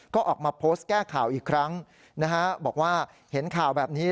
ก็ออกมาโพสต์แก้ข่าวอีกครั้งนะฮะบอกว่าเห็นข่าวแบบนี้